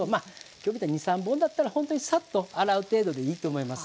今日みたいに２３本だったらほんとにサッと洗う程度でいいと思います。